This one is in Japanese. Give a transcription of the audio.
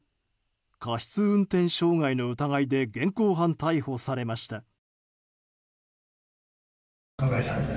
過失運転傷害の疑いで現行犯逮捕されました。